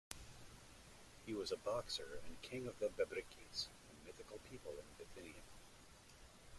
He was a boxer and King of the Bebryces, a mythical people in Bithynia.